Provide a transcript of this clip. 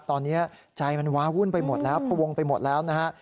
ตอนนี้ใจมันว้าวุ่นไปหมดแล้วพวงไปหมดแล้วนะฮะ